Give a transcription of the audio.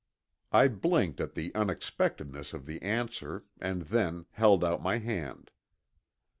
I blinked at the unexpectedness of the answer and then held out my hand.